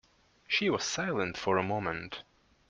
She was silent for a moment.